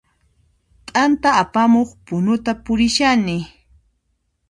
T'anta apamuq punuta purishani